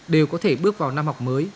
đều có thể bước vào năm học mới